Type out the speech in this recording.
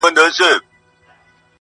o مه وکې ها منډه، چي دي کونه سي بربنډه٫